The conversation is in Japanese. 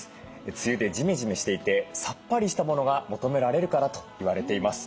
梅雨でじめじめしていてさっぱりしたものが求められるからと言われています。